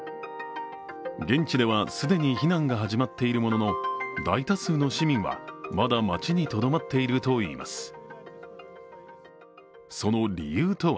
現地では既に避難が始まっているものの、大多数の市民はまだ街にとどまっているといいます。